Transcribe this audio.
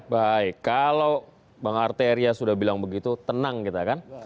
baik kalau bang arteria sudah bilang begitu tenang kita kan